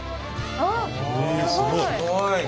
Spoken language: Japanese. あっすごい。